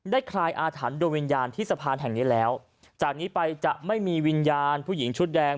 คลายอาถรรพ์โดยวิญญาณที่สะพานแห่งนี้แล้วจากนี้ไปจะไม่มีวิญญาณผู้หญิงชุดแดง